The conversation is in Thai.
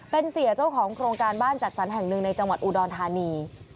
เป็นเสียเจ้าของโครงการบ้านจัดสรรแห่งหนึ่งในจังหวัดอุดรธานี